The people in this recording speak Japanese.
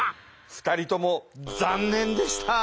２人とも残念でした。